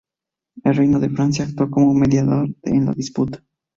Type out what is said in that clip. El reino de Francia actuó como mediador en la disputa.